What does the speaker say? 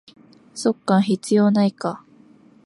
そっか、必要ないか